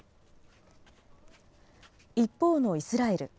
一方のイスラエル。